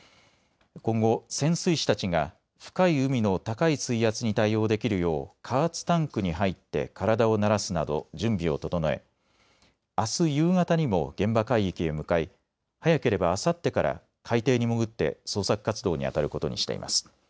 今後、潜水士たちが深い海の高い水圧に対応できるよう加圧タンクに入って体を慣らすなど準備を整えあす夕方にも現場海域へ向かい早ければあさってから海底に潜って捜索活動にあたることにしています。